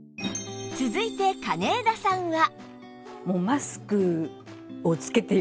続いて金枝さんは